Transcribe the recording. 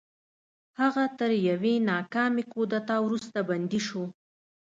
هغه تر یوې ناکامې کودتا وروسته بندي شو.